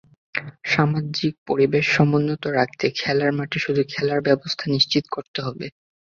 সামাজিক পরিবেশ সমুন্নত রাখতে খেলার মাঠে শুধু খেলাধুলার ব্যবস্থা নিশ্চিত করতে হবে।